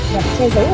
nhằm che giấu